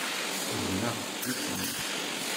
Gneɣ, i kemm?